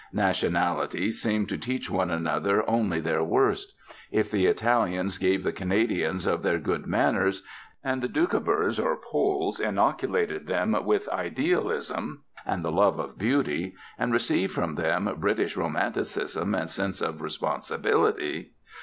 Nationalities seem to teach one another only their worst. If the Italians gave the Canadians of their good manners, and the Doukhobors or Poles inoculated them with idealism and the love of beauty, and received from them British romanticism and sense of responsibility!....